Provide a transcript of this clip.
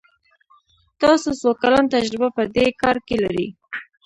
تاسو څو کلن تجربه په دي کار کې لری ؟